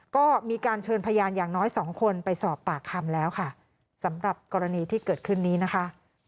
ก็มีการเชิญพยานอย่างน้อยสองคนไปสอบปากคำแล้วค่ะสำหรับกรณีที่เกิดขึ้นนี้นะคะ